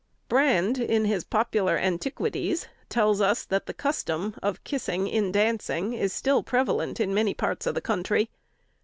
Brand, in his "Popular Antiquities," tells us that the custom of kissing in dancing, is still prevalent in many parts of the country.